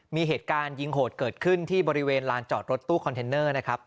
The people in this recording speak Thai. มีเหตุการณ์ยิงโหดเกิดขึ้นที่บริเวณลานจอดรถตู้คอนเทนเนอร์นะครับ